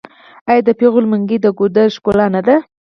آیا د پیغلو منګي د ګودر ښکلا نه ده؟